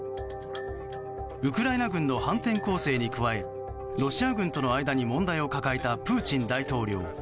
ウクライナ軍の反転攻勢に加えロシア軍との間に問題を抱えたプーチン大統領。